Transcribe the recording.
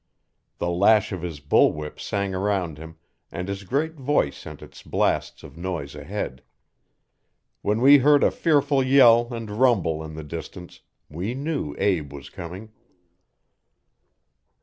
The lash of his bull whip sang around him, and his great voice sent its blasts of noise ahead. When we heard a fearful yell and rumble in the distance, we knew Abe was coming.